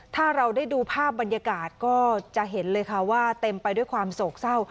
ถ้าเราได้ดูภาพบรรยากาศก็จะเห็นเลยค่ะว่าเต็มไปด้วยความโศกเศร้า